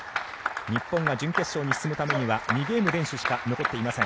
日本が準決勝に進むためには２ゲーム連取しか残っていません。